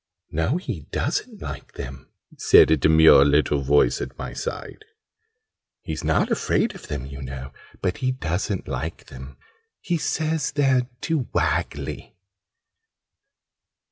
"No, he doesn't like them!" said a demure little voice at my side. "He's not afraid of them, you know. But he doesn't like them. He says they're too waggly!"